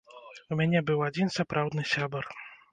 У мяне быў адзін сапраўдны сябар.